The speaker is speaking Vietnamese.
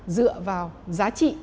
dựa vào giá trị